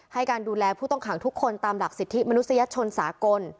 ให้การดูแลผู้ต้องขังทุกคนตามหลักสิทธิมนุษยชนสากล